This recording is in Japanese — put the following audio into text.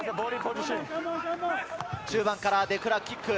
中盤からデクラーク、キック。